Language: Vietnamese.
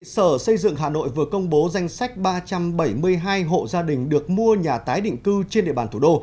sở xây dựng hà nội vừa công bố danh sách ba trăm bảy mươi hai hộ gia đình được mua nhà tái định cư trên địa bàn thủ đô